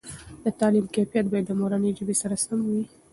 دتعلیم کیفیت باید د مورنۍ ژبې سره سم وي.